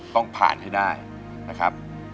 ต้องผ่านให้ได้นะครับ